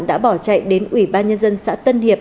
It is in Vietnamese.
đã bỏ chạy đến ủy ban nhân dân xã tân hiệp